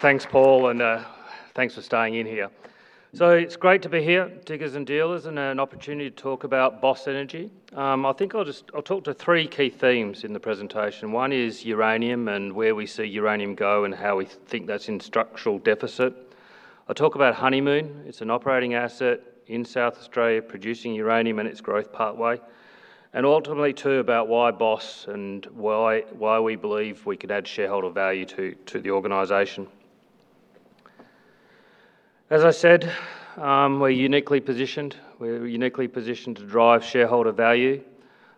Thanks, Paul, and thanks for staying in here. It's great to be here, Diggers & Dealers, and an opportunity to talk about Boss Energy. I think I'll talk to three key themes in the presentation. One is uranium and where we see uranium go and how we think that's in structural deficit. I'll talk about Honeymoon. It's an operating asset in South Australia, producing uranium in its growth pathway, and ultimately, too, about why Boss and why we believe we can add shareholder value to the organization. As I said, we're uniquely positioned. We're uniquely positioned to drive shareholder value.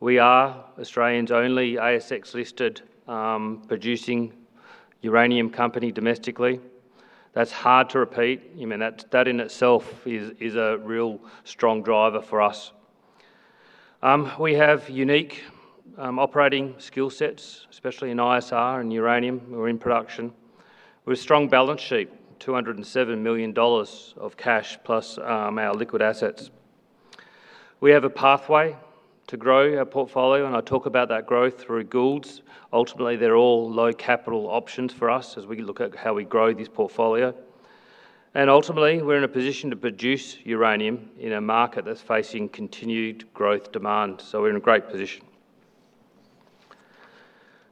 We are Australia's only ASX-listed producing uranium company domestically. That's hard to repeat. That in itself is a real strong driver for us. We have unique operating skill sets, especially in ISR and uranium. We're in production. We have a strong balance sheet, 207 million dollars of cash, plus our liquid assets. We have a pathway to grow our portfolio. I talk about that growth through Goulds. Ultimately, they're all low-capital options for us as we look at how we grow this portfolio. We're in a position to produce uranium in a market that's facing continued growth demand. We're in a great position.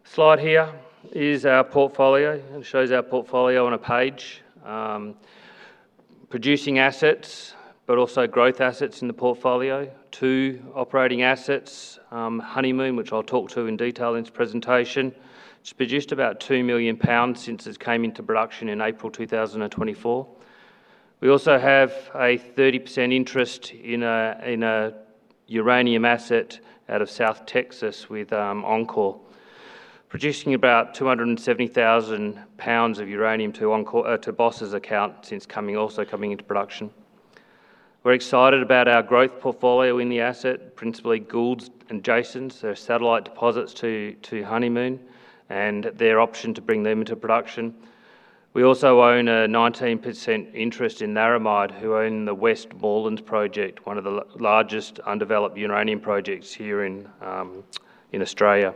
Slide here is our portfolio and shows our portfolio on a page. Producing assets, but also growth assets in the portfolio. Two operating assets, Honeymoon, which I'll talk to in detail in this presentation. It's produced about 2 million pounds since it came into production in April 2024. We also have a 30% interest in a uranium asset out of South Texas with enCore. Producing about 270,000 lbs of uranium to Boss' account since also coming into production. We're excited about our growth portfolio in the asset, principally Goulds and Jasons. They're satellite deposits to Honeymoon, and their option to bring them into production. We also own a 19% interest in Laramide, who own the Westmoreland project, one of the largest undeveloped uranium projects here in Australia.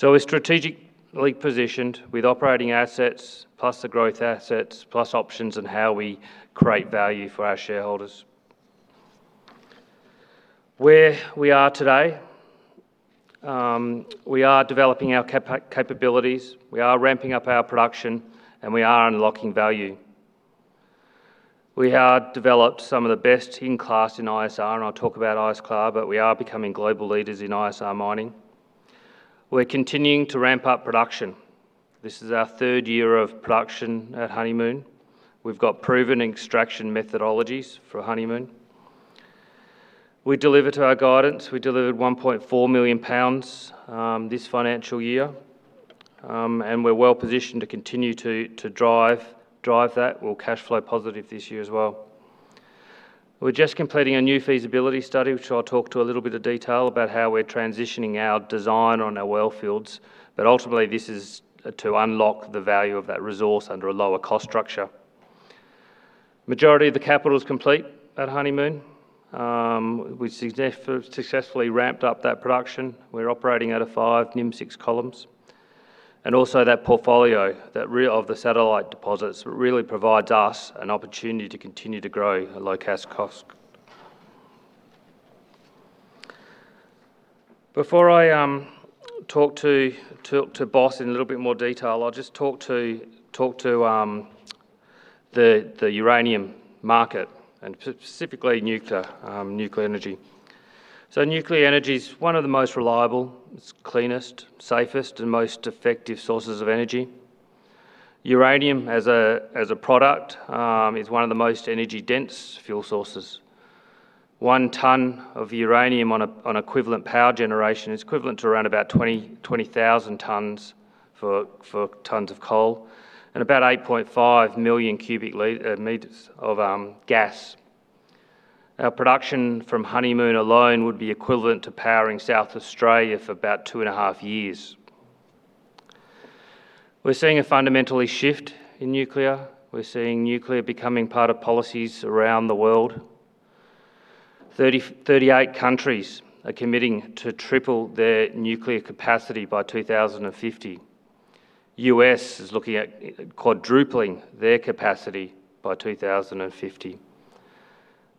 We're strategically positioned with operating assets, plus the growth assets, plus options on how we create value for our shareholders. Where we are today. We are developing our capabilities. We are ramping up our production, and we are unlocking value. We have developed some of the best in class in ISR. I'll talk about ISR, but we are becoming global leaders in ISR mining. We're continuing to ramp up production. This is our third year of production at Honeymoon. We've got proven extraction methodologies for Honeymoon. We delivered to our guidance. We delivered 1.4 million pounds this financial year, and we're well-positioned to continue to drive that. We're cash flow positive this year as well. We're just completing a new feasibility study, which I'll talk to a little bit of detail about how we're transitioning our design on our well fields. Ultimately, this is to unlock the value of that resource under a lower cost structure. Majority of the capital is complete at Honeymoon. We successfully ramped up that production. We're operating out of five NIMCIX columns. Also that portfolio of the satellite deposits really provides us an opportunity to continue to grow at low cash cost. Before I talk to Boss in a little bit more detail, I'll just talk to the uranium market and specifically nuclear energy. Nuclear energy is one of the most reliable, it's cleanest, safest, and most effective sources of energy. Uranium as a product is one of the most energy-dense fuel sources. One ton of uranium on equivalent power generation is equivalent to around 20,000 tons of coal and about 8.5 million cubic metres of gas. Our production from Honeymoon alone would be equivalent to powering South Australia for about two and a half years. We're seeing a fundamental shift in nuclear. We're seeing nuclear becoming part of policies around the world. 38 countries are committing to triple their nuclear capacity by 2050. U.S. is looking at quadrupling their capacity by 2050.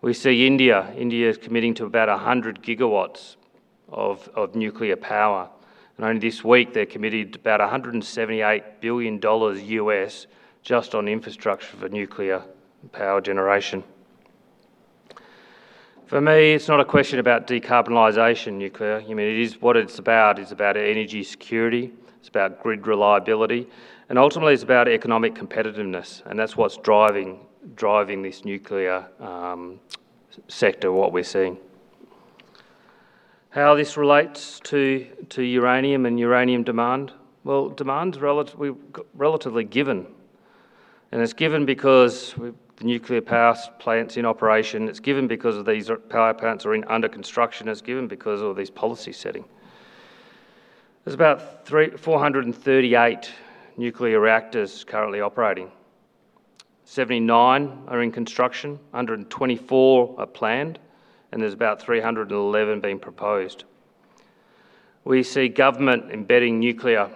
We see India. India is committing to about 100 GW of nuclear power. Only this week, they committed about $178 billion just on infrastructure for nuclear power generation. For me, it's not a question about decarbonization of nuclear. What it's about is about energy security, it's about grid reliability, and ultimately it's about economic competitiveness, and that's what's driving this nuclear sector, what we're seeing. How this relates to uranium and uranium demand? Well, demand's relatively given, and it's given because the nuclear power plants are in operation. It's given because these power plants are under construction. It's given because of this policy setting. There are about 438 nuclear reactors currently operating. 79 are in construction, 124 are planned, and there are about 311 being proposed. We see governments embedding nuclear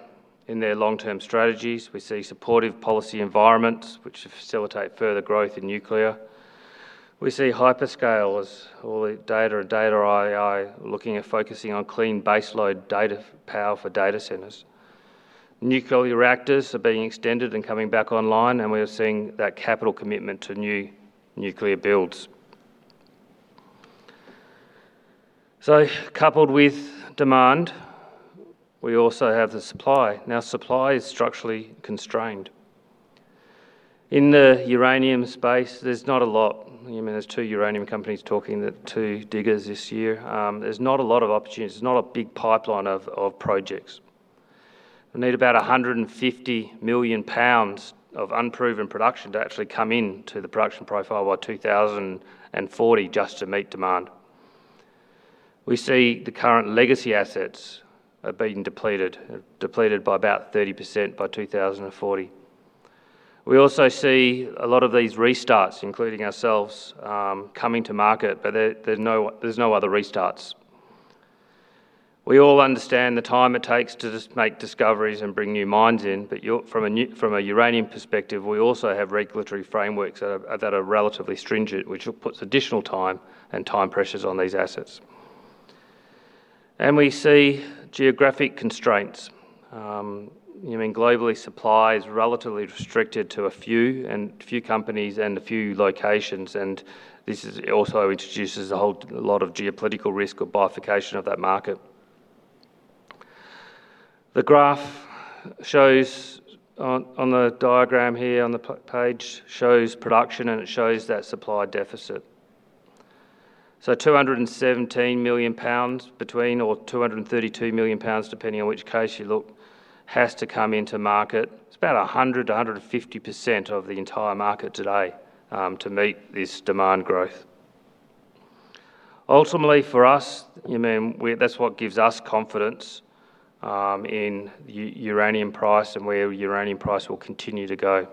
in their long-term strategies. We see supportive policy environments which facilitate further growth in nuclear. We see hyperscale as all the data and data AI looking at focusing on clean baseload power for data centers. Nuclear reactors are being extended and coming back online, and we are seeing that capital commitment to new nuclear builds. Coupled with demand, we also have the supply. Now, supply is structurally constrained. In the uranium space, there's not a lot. There are two uranium companies talking, the two Diggers this year. There are not a lot of opportunities. There is not a big pipeline of projects. We need about 150 million pounds of unproven production to actually come into the production profile by 2040 just to meet demand. We see the current legacy assets are being depleted by about 30% by 2040. We also see a lot of these restarts, including ourselves, coming to market, but there are no other restarts. We all understand the time it takes to just make discoveries and bring new mines in, but from a uranium perspective, we also have regulatory frameworks that are relatively stringent, which puts additional time and time pressures on these assets. We see geographic constraints. Globally, supply is relatively restricted to a few companies and a few locations. This also introduces a whole lot of geopolitical risk or bifurcation of that market. The graph on the diagram here on the page shows production, and it shows that supply deficit. 217 million pounds or 232 million pounds, depending on which case you look, has to come into market. It is about 100%-150% of the entire market today to meet this demand growth. Ultimately, for us, that's what gives us confidence in the uranium price and where uranium price will continue to go.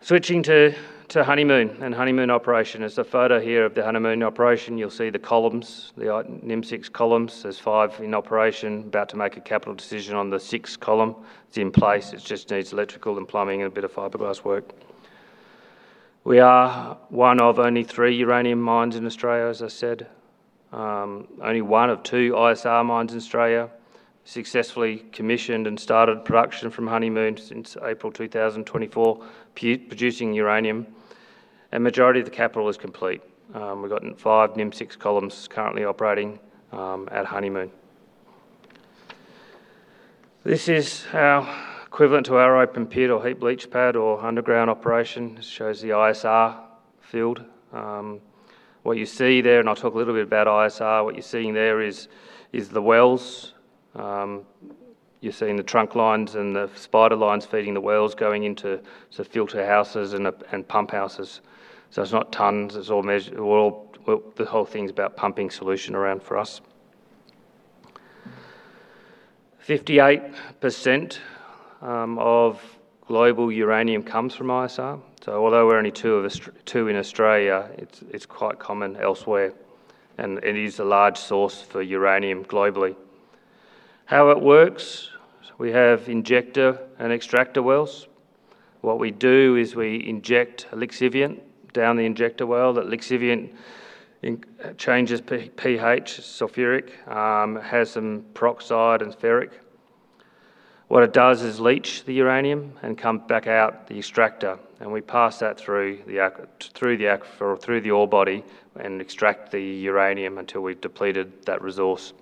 Switching to Honeymoon and Honeymoon Operation. There's a photo here of the Honeymoon Operation. You'll see the columns, the NIMCIX columns. There are five in operation, about to make a capital decision on the sixth column. It's in place. It just needs electrical and plumbing and a bit of fiberglass work. We are one of only three uranium mines in Australia, as I said. Only one of two ISR mines in Australia. Successfully commissioned and started production from Honeymoon since April 2024, producing uranium. Majority of the capital is complete. We've gotten five NIMCIX columns currently operating at Honeymoon. This is our equivalent to our open pit or heap leach pad or underground operation. This shows the ISR field. What you see there, and I'll talk a little bit about ISR, what you're seeing there is the wells. You're seeing the trunk lines and the spider lines feeding the wells, going into the filter houses and pump houses. It's not tons. The whole thing's about pumping solution around for us. 58% of global uranium comes from ISR. Although we're only two in Australia, it's quite common elsewhere, it is a large source for uranium globally. How it works, we have injector and extractor wells. What we do is we inject a lixiviant down the injector well. That lixiviant changes pH, sulfuric, has some peroxide and ferric. What it does is leach the uranium and come back out the extractor, we pass that through the aquifer or through the ore body and extract the uranium until we've depleted that resource.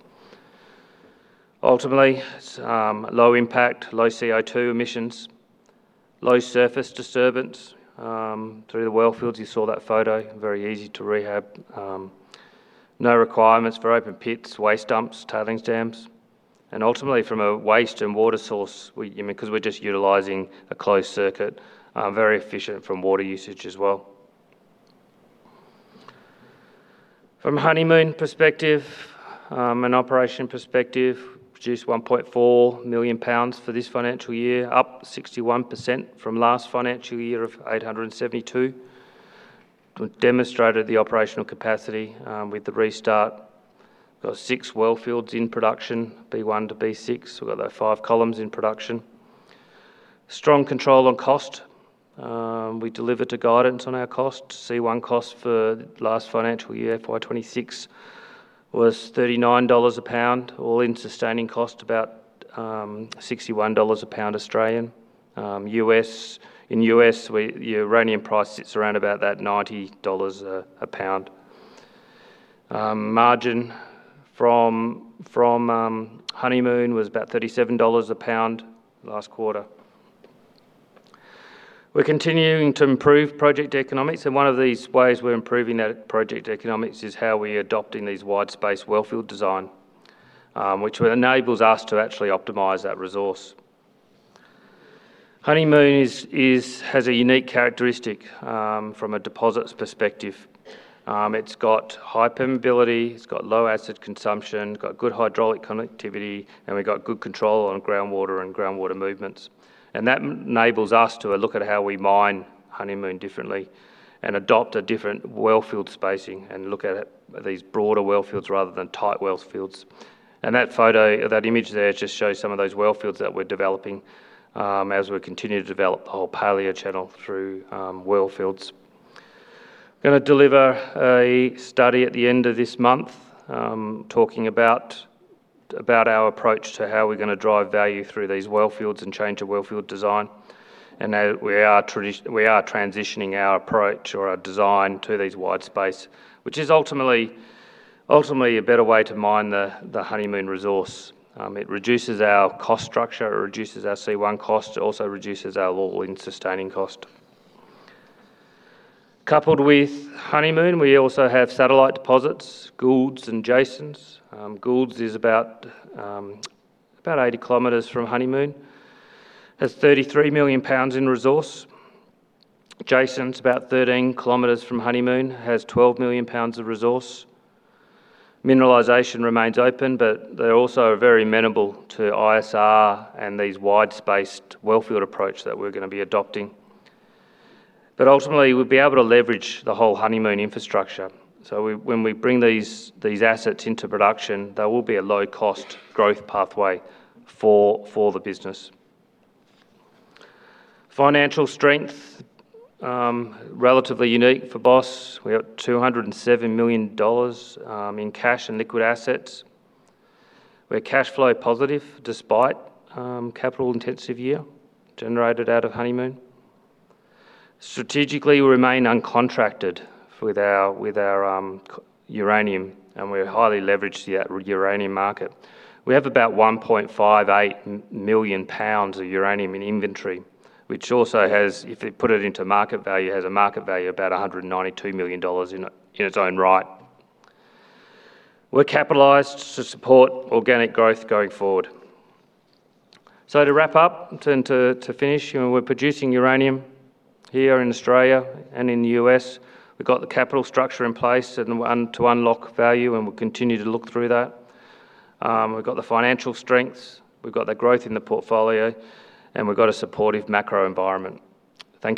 Ultimately, it's low impact, low CO2 emissions, low surface disturbance through the well fields. You saw that photo. Very easy to rehab. No requirements for open pits, waste dumps, tailings dams. Ultimately, from a waste and water source, because we're just utilizing a closed circuit, very efficient from water usage as well. From a Honeymoon perspective and operation perspective, produced 1.4 million pounds for this financial year, up 61% from last financial year of 872,000 lbs. We've demonstrated the operational capacity with the restart. Got six well fields in production, B1 to B6. We've got those five columns in production. Strong control on cost. We delivered to guidance on our cost. C1 cost for last financial year, FY 2026, was 39 dollars a pound. All-in sustaining cost, about 61 dollars a pound. In the U.S., the uranium price sits around about that $90 a pound. Margin from Honeymoon was about 37 dollars a pound last quarter. We're continuing to improve project economics, one of these ways we're improving that project economics is how we're adopting these wide-spaced well field design, which enables us to actually optimize that resource. Honeymoon has a unique characteristic from a deposits perspective. It's got high permeability, it's got low acid consumption, it's got good hydraulic connectivity, we've got good control on groundwater and groundwater movements. That enables us to look at how we mine Honeymoon differently and adopt a different well field spacing look at these broader well fields rather than tight well fields. That photo, that image there, just shows some of those well fields that we're developing as we continue to develop the whole paleochannel through well fields. Going to deliver a study at the end of this month talking about our approach to how we're going to drive value through these well fields and change the well field design. How we are transitioning our approach or our design to these wide-space. Which is ultimately a better way to mine the Honeymoon resource. It reduces our cost structure, it reduces our C1 cost, it also reduces our all-in sustaining cost. Coupled with Honeymoon, we also have satellite deposits, Goulds and Jasons. Goulds is about 80 km from Honeymoon. Has 33 million pounds in resource. Jasons, about 13 km from Honeymoon. Has 12 million pounds of resource. Mineralization remains open, but they also are very amenable to ISR and these wide-spaced well field approach that we're going to be adopting. Ultimately, we'll be able to leverage the whole Honeymoon infrastructure. When we bring these assets into production, they will be a low-cost growth pathway for the business. Financial strength, relatively unique for Boss. We've got 207 million dollars in cash and liquid assets. We're cash flow positive despite capital intensive year generated out of Honeymoon. Strategically, we remain uncontracted with our uranium, and we're highly leveraged to the uranium market. We have about 1.58 million pounds of uranium in inventory, which also has, if you put it into market value, has a market value of about 192 million dollars in its own right. We're capitalized to support organic growth going forward. To wrap up and to finish, we're producing uranium here in Australia and in the U.S.. We've got the capital structure in place to unlock value, and we'll continue to look through that. We've got the financial strengths, we've got the growth in the portfolio, and we've got a supportive macro environment. Thank you